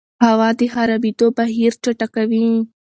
هوا د خرابېدو بهیر چټکوي.